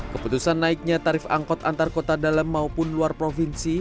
keputusan naiknya tarif angkot antar kota dalam maupun luar provinsi